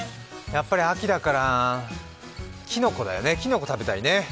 やっぱり秋だから、きのこだよね、きのこ食べたいね。